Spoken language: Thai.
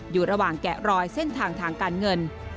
อยู่ระหว่างแกะรอยเส้นทางทางการเงิน